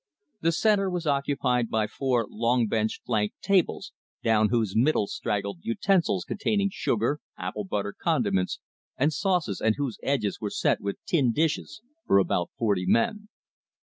The center was occupied by four long bench flanked tables, down whose middle straggled utensils containing sugar, apple butter, condiments, and sauces, and whose edges were set with tin dishes for about forty men.